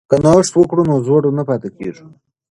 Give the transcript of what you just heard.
که نوښت وکړو نو زوړ نه پاتې کیږو.